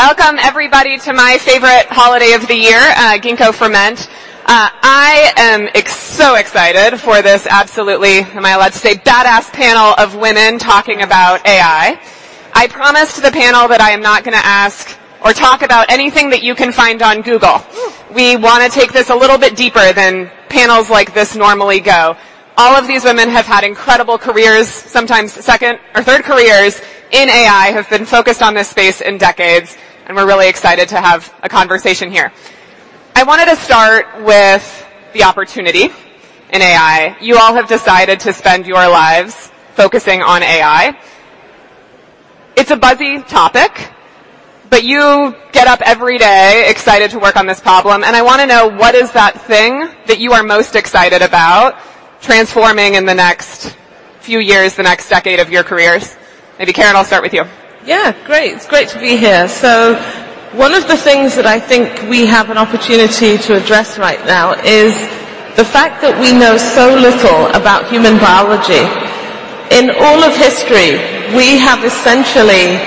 Welcome, everybody, to my favorite holiday of the year, Ginkgo Ferment. I am so excited for this absolutely, am I allowed to say, badass panel of women talking about AI? I promised the panel that I am not gonna ask or talk about anything that you can find on Google. Woo! We wanna take this a little bit deeper than panels like this normally go. All of these women have had incredible careers, sometimes second or third careers in AI, have been focused on this space in decades, and we're really excited to have a conversation here. I wanted to start with the opportunity in AI. You all have decided to spend your lives focusing on AI. It's a buzzy topic, but you get up every day excited to work on this problem, and I wanna know: What is that thing that you are most excited about transforming in the next few years, the next decade of your careers? Maybe Karen, I'll start with you. Yeah, great. It's great to be here. So one of the things that I think we have an opportunity to address right now is the fact that we know so little about human biology. In all of history, we have essentially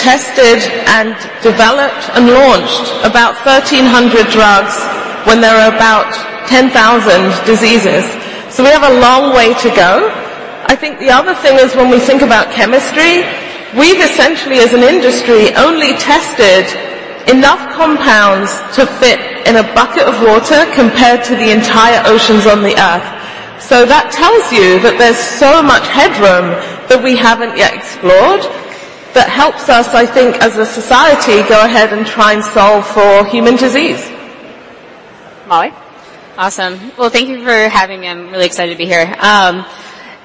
tested and developed and launched about 1,300 drugs when there are about 10,000 diseases, so we have a long way to go. I think the other thing is, when we think about chemistry, we've essentially, as an industry, only tested enough compounds to fit in a bucket of water compared to the entire oceans on the Earth. So that tells you that there's so much headroom that we haven't yet explored that helps us, I think, as a society, go ahead and try and solve for human disease. Molly? Awesome. Well, thank you for having me. I'm really excited to be here.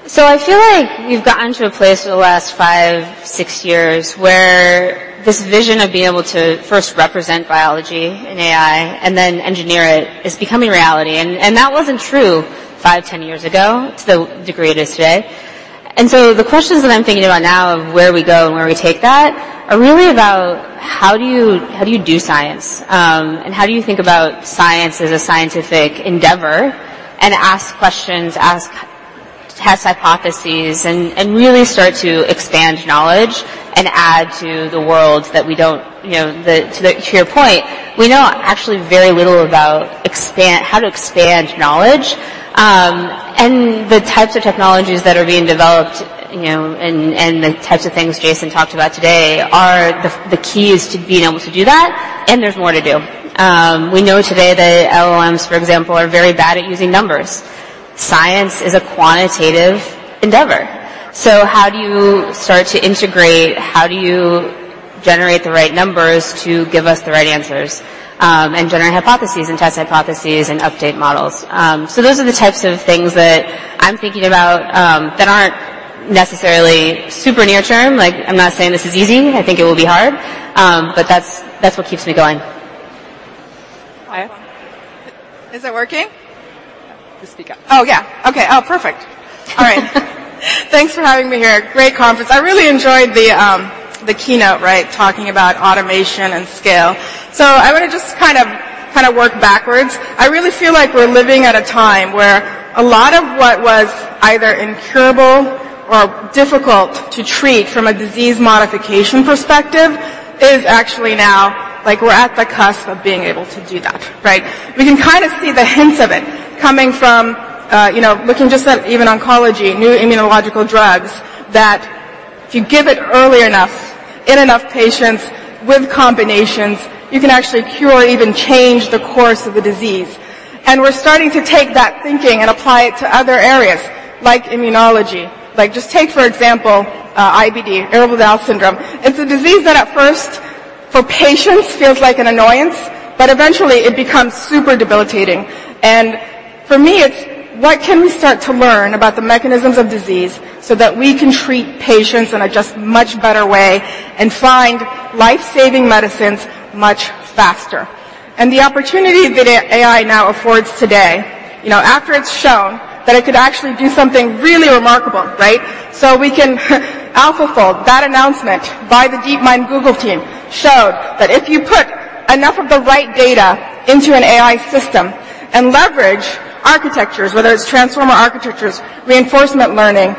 So I feel like we've gotten to a place over the last five, six years where this vision of being able to first represent biology in AI and then engineer it is becoming reality, and that wasn't true five, 10 years ago to the degree it is today. And so the questions that I'm thinking about now of where we go and where we take that are really about: How do you, how do you do science, and how do you think about science as a scientific endeavor and ask questions, test hypotheses, and really start to expand knowledge and add to the world that we don't, you know, that to the, to your point, we know actually very little about expand, how to expand knowledge. And the types of technologies that are being developed, you know, and the types of things Jason talked about today are the keys to being able to do that, and there's more to do. We know today that LLMs, for example, are very bad at using numbers. Science is a quantitative endeavor, so how do you start to integrate, how do you generate the right numbers to give us the right answers, and generate hypotheses and test hypotheses and update models? So those are the types of things that I'm thinking about, that aren't necessarily super near term. Like, I'm not saying this is easy. I think it will be hard, but that's what keeps me going. Iya? Is it working? Just speak up. Oh, yeah. Okay. Oh, perfect. All right. Thanks for having me here. Great conference. I really enjoyed the keynote, right? Talking about automation and scale. So I want to just kind of, kind of work backwards. I really feel like we're living at a time where a lot of what was either incurable or difficult to treat from a disease modification perspective is actually now, like, we're at the cusp of being able to do that, right? We can kind of see the hints of it coming from, you know, looking just at even oncology, new immunological drugs, that if you give it early enough in enough patients with combinations, you can actually cure or even change the course of the disease. And we're starting to take that thinking and apply it to other areas, like immunology. Like, just take, for example, IBD, irritable bowel syndrome. It's a disease that at first, for patients, feels like an annoyance, but eventually it becomes super debilitating. And for me, it's what can we start to learn about the mechanisms of disease so that we can treat patients in a just much better way and find life-saving medicines much faster? And the opportunity that AI now affords today, you know, after it's shown that it could actually do something really remarkable, right? So we can, AlphaFold, that announcement by the DeepMind Google team showed that if you put enough of the right data into an AI system and leverage architectures, whether it's transformer architectures, reinforcement learning,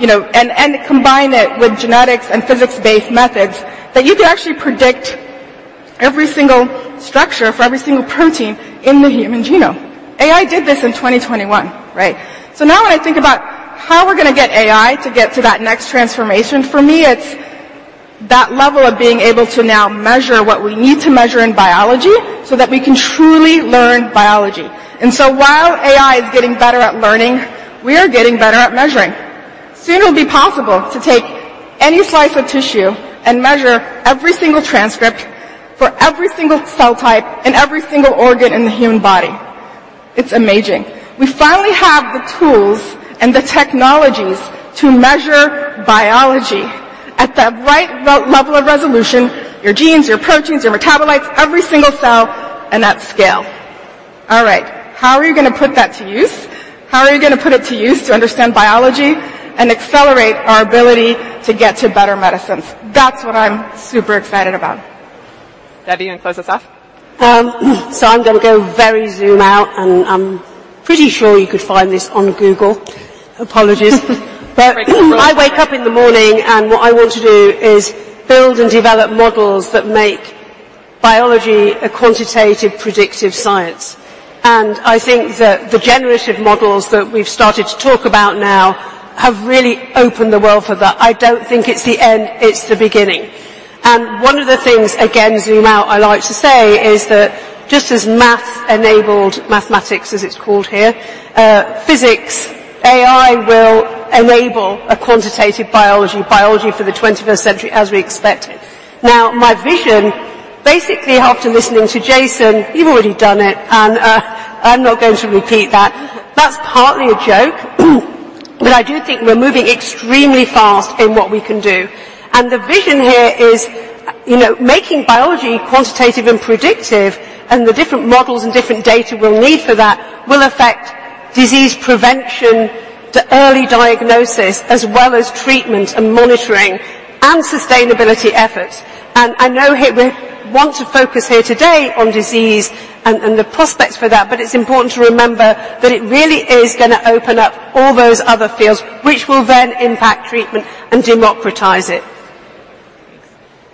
you know, and combine it with genetics and physics-based methods, that you could actually predict every single structure for every single protein in the human genome. AI did this in 2021, right? So now, when I think about how we're gonna get AI to get to that next transformation, for me, it's that level of being able to now measure what we need to measure in biology so that we can truly learn biology. And so while AI is getting better at learning, we are getting better at measuring. Soon, it will be possible to take any slice of tissue and measure every single transcript for every single cell type and every single organ in the human body. It's amazing. We finally have the tools and the technologies to measure biology at the right level of resolution, your genes, your proteins, your metabolites, every single cell, and at scale. All right, how are you gonna put that to use? How are you gonna put it to use to understand biology and accelerate our ability to get to better medicines? That's what I'm super excited about.... Debbie, you want to close us off? So I'm going to go very zoom out, and I'm pretty sure you could find this on Google. Apologies. But I wake up in the morning, and what I want to do is build and develop models that make biology a quantitative, predictive science. And I think that the generative models that we've started to talk about now have really opened the world for that. I don't think it's the end, it's the beginning. And one of the things, again, zoom out, I like to say is that just as math enabled mathematics, as it's called here, physics, AI will enable a quantitative biology, biology for the 21st century as we expect it. Now, my vision, basically, after listening to Jason, you've already done it, and, I'm not going to repeat that. That's partly a joke. But I do think we're moving extremely fast in what we can do. And the vision here is, you know, making biology quantitative and predictive, and the different models and different data we'll need for that will affect disease prevention to early diagnosis, as well as treatment and monitoring and sustainability efforts. And I know here we want to focus here today on disease and, and the prospects for that, but it's important to remember that it really is gonna open up all those other fields, which will then impact treatment and democratize it.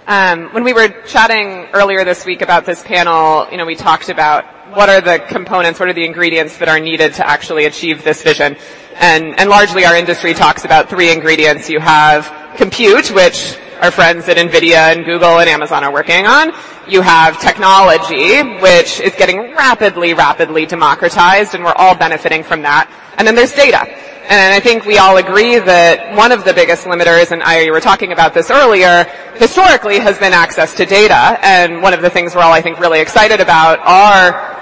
When we were chatting earlier this week about this panel, you know, we talked about what are the components, what are the ingredients that are needed to actually achieve this vision? And largely, our industry talks about three ingredients. You have compute, which our friends at NVIDIA and Google and Amazon are working on. You have technology, which is getting rapidly, rapidly democratized, and we're all benefiting from that. And then there's data. And I think we all agree that one of the biggest limiters, and Iya, you were talking about this earlier, historically, has been access to data. And one of the things we're all, I think, really excited about are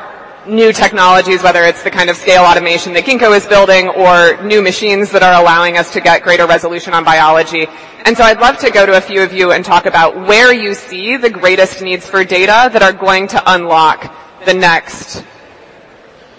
new technologies, whether it's the kind of scale automation that Ginkgo is building or new machines that are allowing us to get greater resolution on biology. And so I'd love to go to a few of you and talk about where you see the greatest needs for data that are going to unlock the next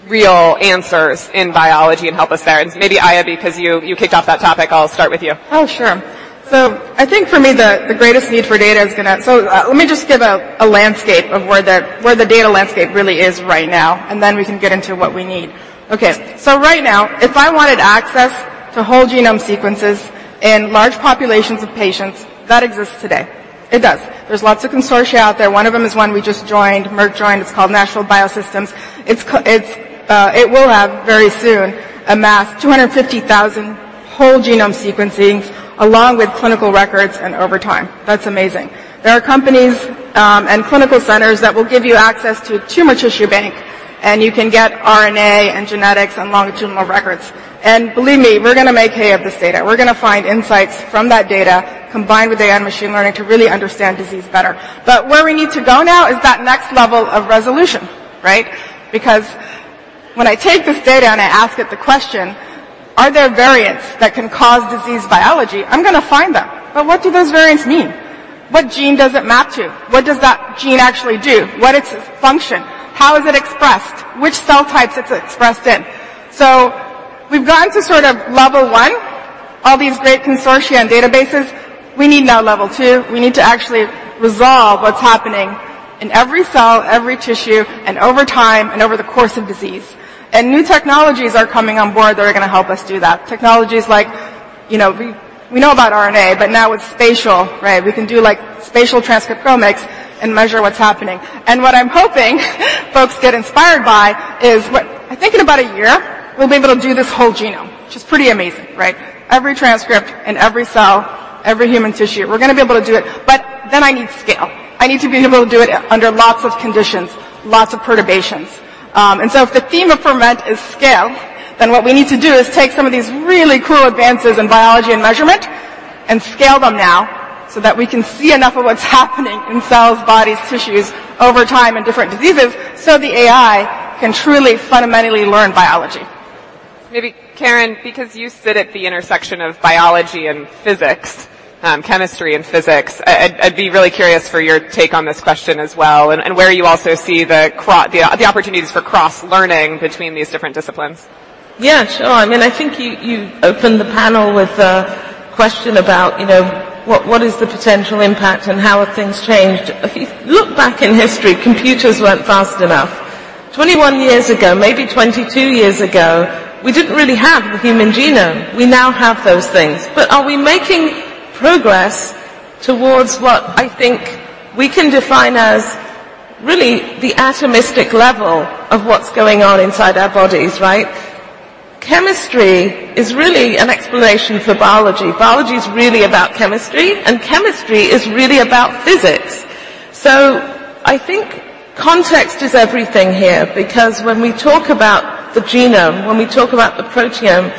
real answers in biology and help us there. And maybe, Iya, because you, you kicked off that topic, I'll start with you. Oh, sure. So I think for me, the greatest need for data is gonna... So, let me just give a landscape of where the data landscape really is right now, and then we can get into what we need. Okay, so right now, if I wanted access to whole genome sequences in large populations of patients, that exists today. It does. There's lots of consortia out there. One of them is one we just joined, Merck joined. It's called Nashville Biosciences. It will have, very soon, amassed 250,000 whole genome sequences along with clinical records and over time. That's amazing. There are companies and clinical centers that will give you access to tumor tissue bank, and you can get RNA and genetics and longitudinal records. And believe me, we're gonna make hay of this data. We're gonna find insights from that data, combined with AI and machine learning, to really understand disease better. But where we need to go now is that next level of resolution, right? Because when I take this data and I ask it the question: Are there variants that can cause disease biology? I'm gonna find them. But what do those variants mean? What gene does it map to? What does that gene actually do? What is its function? How is it expressed? Which cell types it's expressed in? So we've gotten to sort of level one, all these great consortia and databases. We need now level two. We need to actually resolve what's happening in every cell, every tissue, and over time and over the course of disease. And new technologies are coming on board that are gonna help us do that. Technologies like, you know, we know about RNA, but now with spatial, right? We can do, like, spatial transcriptomics and measure what's happening. And what I'm hoping folks get inspired by is what... I think in about a year, we'll be able to do this whole genome, which is pretty amazing, right? Every transcript in every cell, every human tissue, we're gonna be able to do it. But then I need scale. I need to be able to do it under lots of conditions, lots of perturbations. And so if the theme of ferment is scale, then what we need to do is take some of these really cool advances in biology and measurement and scale them now so that we can see enough of what's happening in cells, bodies, tissues over time and different diseases, so the AI can truly, fundamentally learn biology. Maybe, Karen, because you sit at the intersection of biology and physics, chemistry and physics, I'd be really curious for your take on this question as well, and where you also see the opportunities for cross-learning between these different disciplines. Yeah, sure. I mean, I think you, you opened the panel with a question about, you know, what, what is the potential impact and how have things changed? If you look back in history, computers weren't fast enough. 21 years ago, maybe 22 years ago, we didn't really have the human genome. We now have those things. But are we making progress towards what I think we can define as really the atomistic level of what's going on inside our bodies, right? Chemistry is really an explanation for biology. Biology is really about chemistry, and chemistry is really about physics. So I think context is everything here because when we talk about the genome, when we talk about the proteome,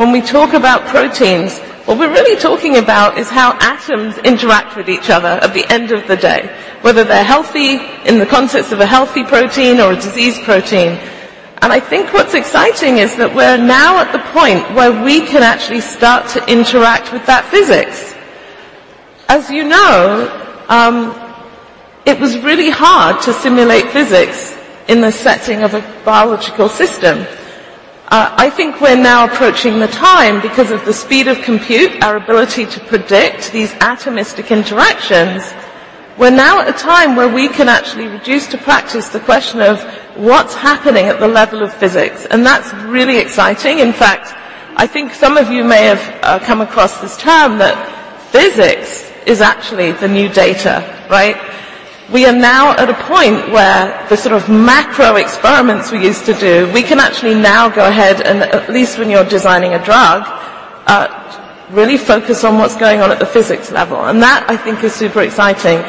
when we talk about proteins, what we're really talking about is how atoms interact with each other at the end of the day, whether they're healthy in the context of a healthy protein or a diseased protein. I think what's exciting is that we're now at the point where we can actually start to interact with that physics. As you know, it was really hard to simulate physics in the setting of a biological system. ... I think we're now approaching the time because of the speed of compute, our ability to predict these atomistic interactions. We're now at a time where we can actually reduce to practice the question of what's happening at the level of physics, and that's really exciting. In fact, I think some of you may have come across this term that physics is actually the new data, right? We are now at a point where the sort of macro experiments we used to do, we can actually now go ahead, and at least when you're designing a drug, really focus on what's going on at the physics level, and that, I think, is super exciting.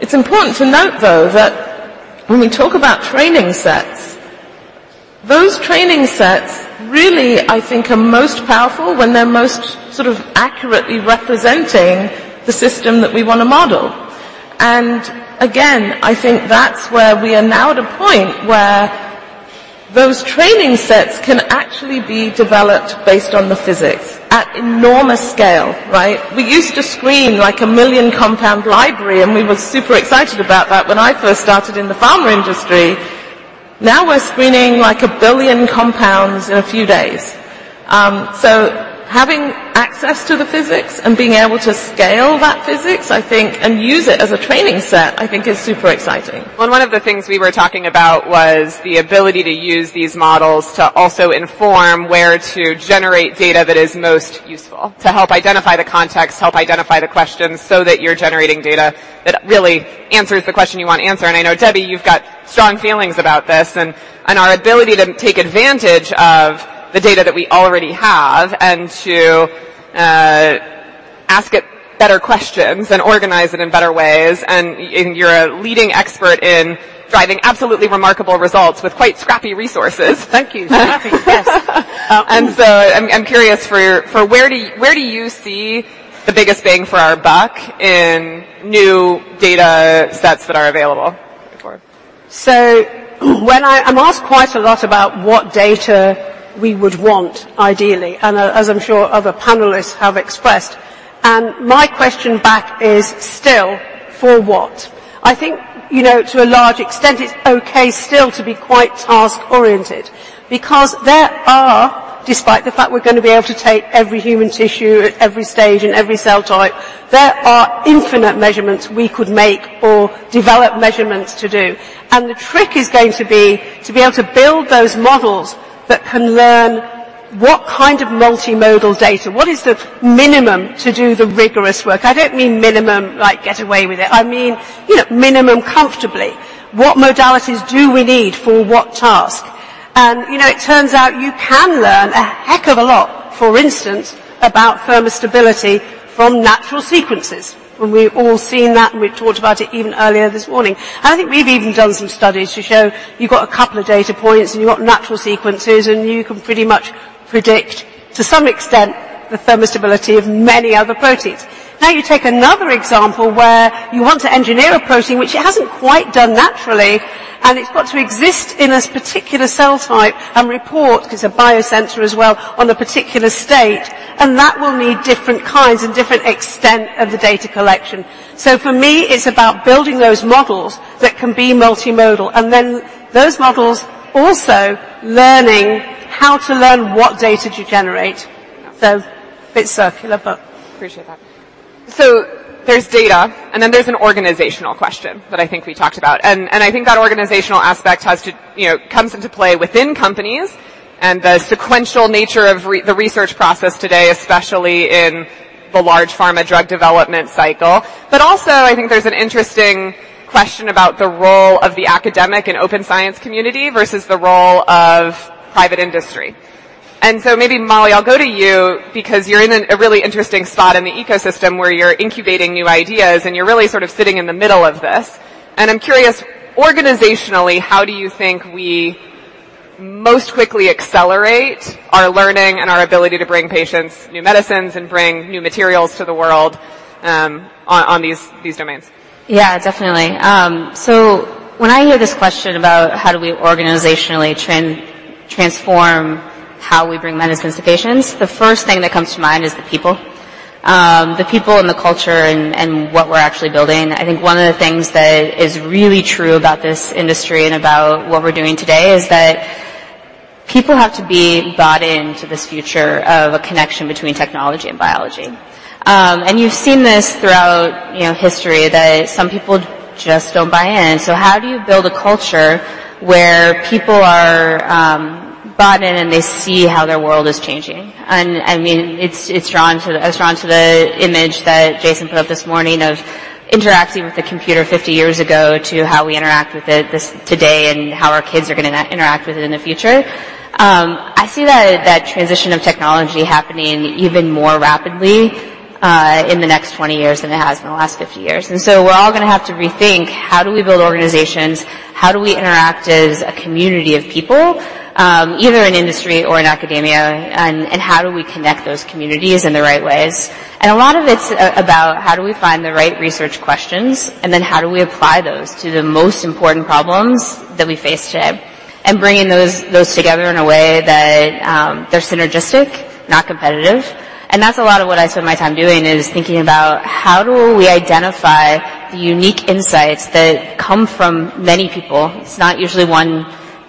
It's important to note, though, that when we talk about training sets, those training sets really, I think, are most powerful when they're most sort of accurately representing the system that we want to model. And again, I think that's where we are now at a point where those training sets can actually be developed based on the physics at enormous scale, right? We used to screen, like, a 1 million-compound library, and we were super excited about that when I first started in the pharma industry. Now we're screening, like, 1 billion compounds in a few days. So having access to the physics and being able to scale that physics, I think, and use it as a training set, I think is super exciting. Well, one of the things we were talking about was the ability to use these models to also inform where to generate data that is most useful, to help identify the context, help identify the questions, so that you're generating data that really answers the question you want to answer. And I know, Debbie, you've got strong feelings about this and, and our ability to take advantage of the data that we already have and to ask it better questions and organize it in better ways. And you're a leading expert in driving absolutely remarkable results with quite scrappy resources. Thank you. Scrappy, yes. And so I'm curious for where do you see the biggest bang for our buck in new data sets that are available for? So when I'm asked quite a lot about what data we would want, ideally, and as I'm sure other panelists have expressed, and my question back is still, for what? I think, you know, to a large extent, it's okay still to be quite task-oriented because there are, despite the fact we're going to be able to take every human tissue at every stage and every cell type, there are infinite measurements we could make or develop measurements to do. And the trick is going to be to be able to build those models that can learn what kind of multimodal data, what is the minimum to do the rigorous work? I don't mean minimum, like, get away with it. I mean, you know, minimum comfortably. What modalities do we need for what task? You know, it turns out you can learn a heck of a lot, for instance, about thermostability from natural sequences. We've all seen that, and we've talked about it even earlier this morning. I think we've even done some studies to show you've got a couple of data points, and you've got natural sequences, and you can pretty much predict, to some extent, the thermostability of many other proteins. Now, you take another example where you want to engineer a protein, which it hasn't quite done naturally, and it's got to exist in this particular cell type and report, 'cause a biosensor as well, on a particular state, and that will need different kinds and different extent of the data collection. So for me, it's about building those models that can be multimodal, and then those models also learning how to learn what data to generate. So a bit circular, but... Appreciate that. So there's data, and then there's an organizational question that I think we talked about. And I think that organizational aspect has to, you know, comes into play within companies and the sequential nature of the research process today, especially in the large pharma drug development cycle. But also, I think there's an interesting question about the role of the academic and open science community versus the role of private industry. And so maybe, Molly, I'll go to you because you're in a really interesting spot in the ecosystem where you're incubating new ideas, and you're really sort of sitting in the middle of this. And I'm curious, organizationally, how do you think we most quickly accelerate our learning and our ability to bring patients new medicines and bring new materials to the world, on these domains? Yeah, definitely. So when I hear this question about how do we organizationally transform how we bring medicines to patients, the first thing that comes to mind is the people. The people and the culture and, and what we're actually building. I think one of the things that is really true about this industry and about what we're doing today is that people have to be bought into this future of a connection between technology and biology. And you've seen this throughout, you know, history, that some people just don't buy in. So how do you build a culture where people are bought in, and they see how their world is changing? I mean, it's drawn to the image that Jason put up this morning of interacting with the computer 50 years ago, to how we interact with it today, and how our kids are gonna interact with it in the future. I see that transition of technology happening even more rapidly in the next 20 years than it has in the last 50 years. And so we're all gonna have to rethink, how do we build organizations? How do we interact as a community of people, either in industry or in academia? And how do we connect those communities in the right ways? And a lot of it's about how do we find the right research questions, and then how do we apply those to the most important problems that we face today, and bringing those, those together in a way that they're synergistic, not competitive. And that's a lot of what I spend my time doing is thinking about how do we identify the unique insights that come from many people. It's not usually one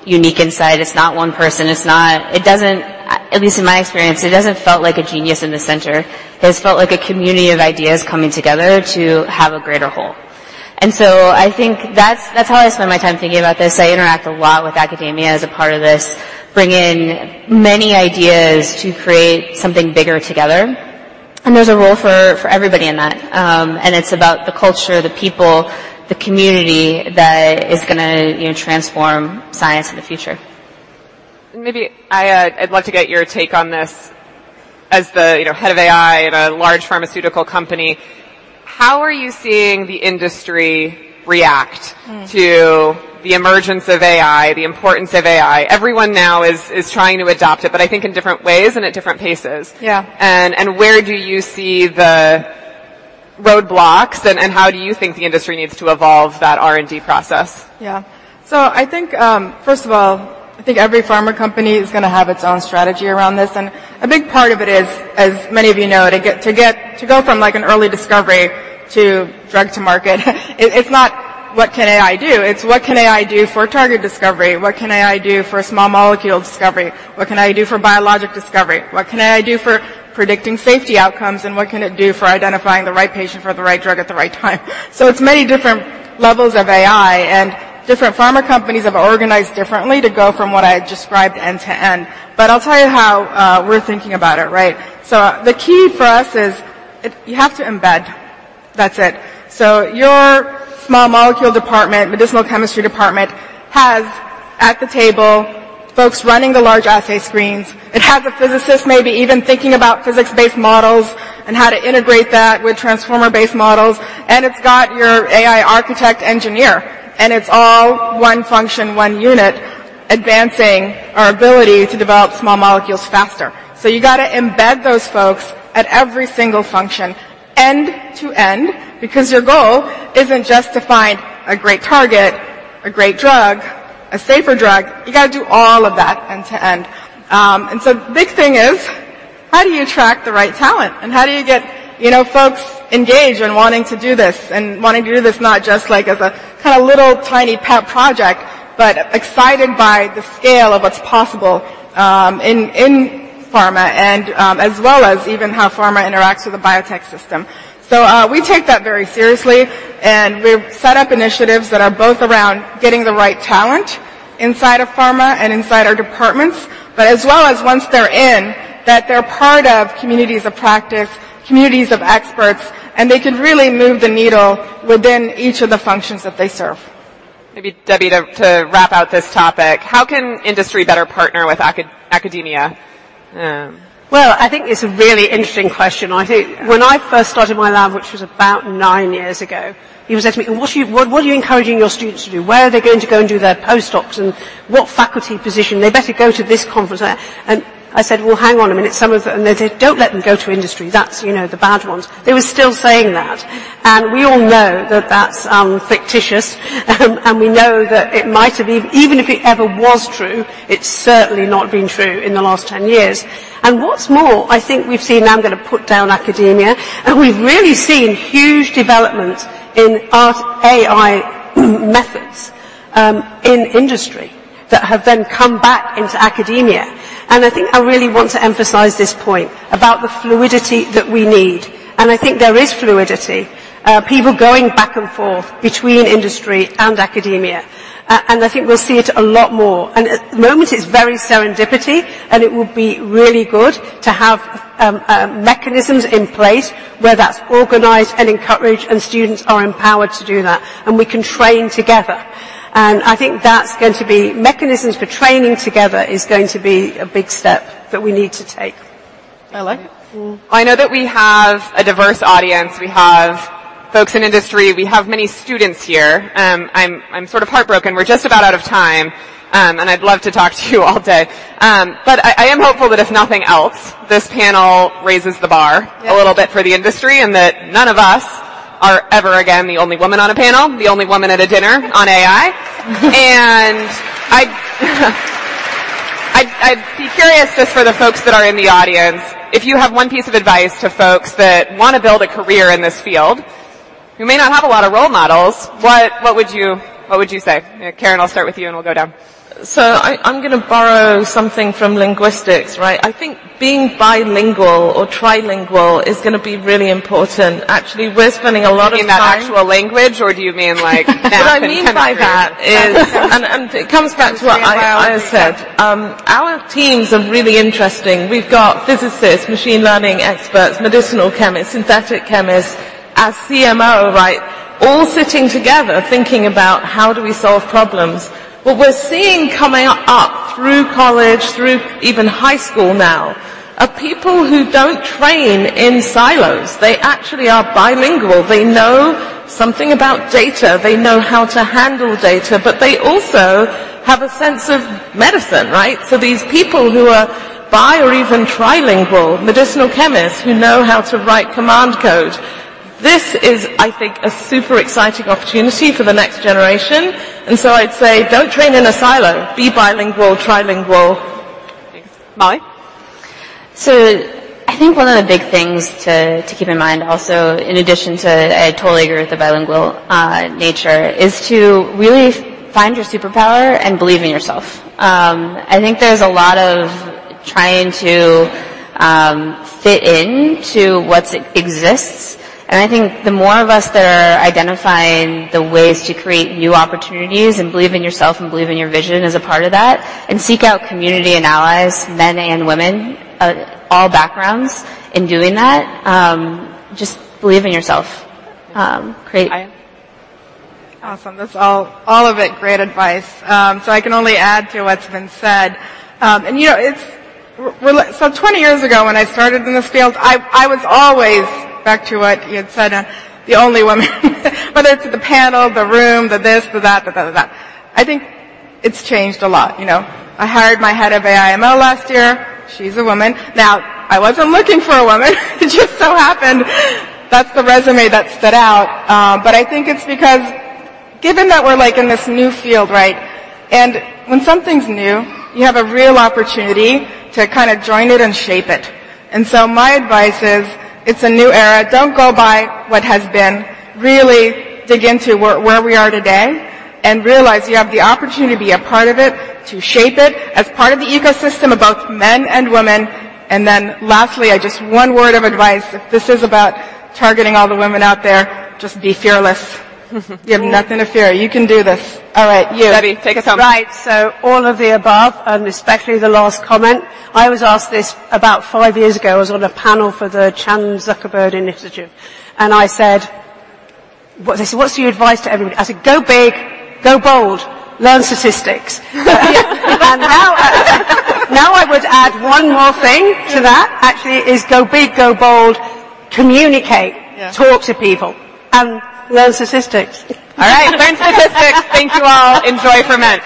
unique insight. It's not one person. It's not... It doesn't ac-... at least in my experience, it hasn't felt like a genius in the center. It has felt like a community of ideas coming together to have a greater whole. And so I think that's, that's how I spend my time thinking about this. I interact a lot with academia as a part of this, bring in many ideas to create something bigger together, and there's a role for, for everybody in that. And it's about the culture, the people, the community that is gonna, you know, transform science in the future. Maybe, Iya, I'd love to get your take on this. As the, you know, head of AI at a large pharmaceutical company, how are you seeing the industry react. To the emergence of AI, the importance of AI? Everyone now is trying to adopt it, but I think in different ways and at different paces. Yeah. Where do you see the roadblocks, and how do you think the industry needs to evolve that R&D process? Yeah. So I think, first of all, I think every pharma company is gonna have its own strategy around this, and a big part of it is, as many of you know, to go from, like, an early discovery to drug to market. It's not what can AI do? It's what can AI do for target discovery? What can AI do for small molecule discovery? What can AI do for biologic discovery? What can AI do for predicting safety outcomes, and what can it do for identifying the right patient for the right drug at the right time? So it's many different levels of AI, and different pharma companies have organized differently to go from what I described end-to-end. But I'll tell you how we're thinking about it, right? So the key for us is, it... You have to embed. That's it. So your small molecule department, medicinal chemistry department, has, at the table, folks running the large assay screens. It has a physicist maybe even thinking about physics-based models and how to integrate that with transformer-based models, and it's got your AI architect engineer, and it's all one function, one unit, advancing our ability to develop small molecules faster. So you gotta embed those folks at every single function end-to-end, because your goal isn't just to find a great target, a great drug, a safer drug. You gotta do all of that end-to-end. and so the big thing is: How do you attract the right talent, and how do you get, you know, folks engaged and wanting to do this, and wanting to do this not just, like, as a kinda little, tiny pet project, but excited by the scale of what's possible, in, in pharma and, as well as even how pharma interacts with the biotech system? So, we take that very seriously, and we've set up initiatives that are both around getting the right talent inside of pharma and inside our departments, but as well as once they're in, that they're part of communities of practice, communities of experts, and they can really move the needle within each of the functions that they serve. Maybe, Debbie, to wrap up this topic: How can industry better partner with academia? Well, I think it's a really interesting question. I think when I first started my lab, which was about nine years ago, people said to me: "What are you encouraging your students to do? Where are they going to go and do their post-docs, and what faculty position? They better go to this conference there." And I said, "Well, hang on a minute. Some of..." And they said, "Don't let them go to industry. That's, you know, the bad ones." They were still saying that. And we all know that that's fictitious, and we know that it might have been... Even if it ever was true, it's certainly not been true in the last 10 years. And what's more, I think we've seen, now I'm gonna put down academia, and we've really seen huge developments in our AI, methods, in industry that have then come back into academia. And I think I really want to emphasize this point about the fluidity that we need, and I think there is fluidity, people going back and forth between industry and academia. And I think we'll see it a lot more. And at the moment, it's very serendipity, and it would be really good to have, mechanisms in place where that's organized and encouraged, and students are empowered to do that, and we can train together. And I think that's going to be... Mechanisms for training together is going to be a big step that we need to take. Iya? I know that we have a diverse audience. We have folks in industry. We have many students here. I'm sort of heartbroken, we're just about out of time, and I'd love to talk to you all day. But I am hopeful that if nothing else, this panel raises the bar. Yeah A little bit for the industry, and that none of us are ever again the only woman on a panel, the only woman at a dinner on AI. And I'd be curious, just for the folks that are in the audience, if you have one piece of advice to folks that wanna build a career in this field, who may not have a lot of role models, what would you say? Karen, I'll start with you, and we'll go down. So I, I'm gonna borrow something from linguistics, right? I think being bilingual or trilingual is gonna be really important. Actually, we're spending a lot of time- You mean like actual language, or do you mean, like- What I mean by that is—and it comes back to what I said. Our teams are really interesting. We've got physicists, machine learning experts, medicinal chemists, synthetic chemists, as CMO, right? All sitting together, thinking about: How do we solve problems? What we're seeing coming up through college, through even high school now, are people who don't train in silos. They actually are bilingual. They know something about data. They know how to handle data, but they also have a sense of medicine, right? So these people who are bi or even trilingual, medicinal chemists who know how to write command code, this is, I think, a super exciting opportunity for the next generation. And so I'd say, don't train in a silo. Be bilingual, trilingual. Molly? So I think one of the big things to keep in mind also, in addition to, I totally agree with the bilingual nature, is to really find your superpower and believe in yourself. I think there's a lot of trying to fit in to what exists, and I think the more of us that are identifying the ways to create new opportunities and believe in yourself and believe in your vision as a part of that, and seek out community and allies, men and women, all backgrounds in doing that, just believe in yourself. Great. Awesome. That's all, all of it, great advice. So I can only add to what's been said. And, you know, it's so 20 years ago, when I started in this field, I was always back to what you had said, the only woman, whether it's the panel, the room, the this, the that, da, da, da, da. I think it's changed a lot, you know. I hired my head of AI/ML last year. She's a woman. Now, I wasn't looking for a woman. It just so happened that's the resume that stood out. But I think it's because given that we're, like, in this new field, right? And when something's new, you have a real opportunity to kinda join it and shape it. And so my advice is, it's a new era. Don't go by what has been. Really dig into where we are today and realize you have the opportunity to be a part of it, to shape it as part of the ecosystem of both men and women. And then lastly, just one word of advice, if this is about targeting all the women out there, just be fearless. You have nothing to fear. You can do this. All right, you. Debbie, take us home. Right. So all of the above, and especially the last comment. I was asked this about five years ago. I was on a panel for the Chan Zuckerberg Initiative, and I said... They said, "What's your advice to everybody?" I said, "Go big, go bold, learn statistics." And now, now I would add one more thing to that, actually, is go big, go bold, communicate- Yeah - talk to people, and learn statistics. All right, learn statistics. Thank you, all. Enjoy Ferment.